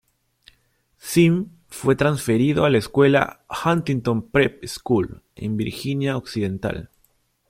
Sim fue transferido a la escuela "Huntington Prep School" en Virginia Occidental.